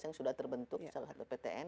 yang terbentuk misalnya ptn